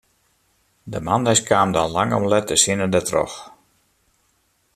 De moandeis kaam dan lang om let de sinne dertroch.